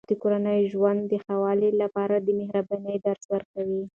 مور د کورني ژوند د ښه والي لپاره د مهربانۍ درس ورکوي.